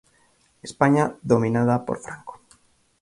España dominada por Franco.